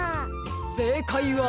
せいかいは。